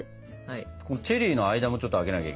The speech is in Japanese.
チェリーの間もちょっと空けなきゃいけないからね。